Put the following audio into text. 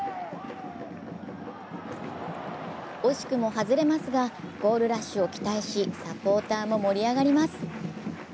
惜しくも外れますがゴールラッシュを期待しサポーターも盛り上がります。